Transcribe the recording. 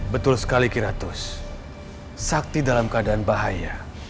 betul sekali kira tuz sakti dalam keadaan bahaya